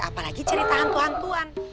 apalagi cerita hantu hantuan